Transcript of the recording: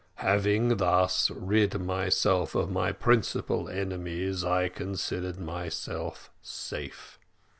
"Having thus rid myself of my principal enemies, I considered myself safe.